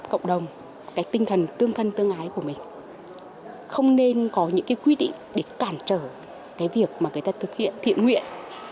cộng đồng cái tinh thần tương thân tương ái của mình không nên có những cái quy định để cản trở cái việc mà người ta thực hiện thiện nguyện